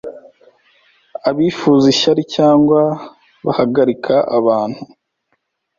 Abifuza ishyari cyangwa bahagarika abantu